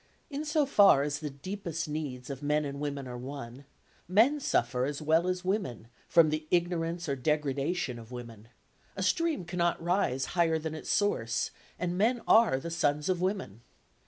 In so far as the deepest needs of men and women are one, men suffer as well as women from the ignorance or degradation of women; a stream cannot rise higher than its source, and men are the sons of women.